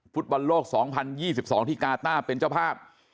ฟุตบอลโลก๒๐๒๒ที่กาต้าเป็นเจ้าภาพ